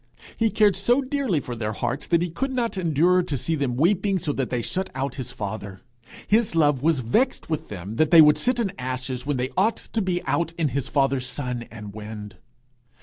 He cared so dearly for their hearts that he could not endure to see them weeping so that they shut out his father. His love was vexed with them that they would sit in ashes when they ought to be out in his father's sun and wind.